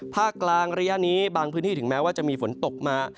ภาคกลางระยะนี้บางพื้นที่ถึงแม้ว่าจะมีฝนตกมา